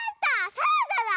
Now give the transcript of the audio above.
サラダだ！